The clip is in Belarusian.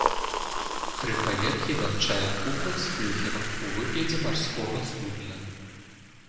Тры паверхі вянчае купал з флюгерам у выглядзе марскога судна.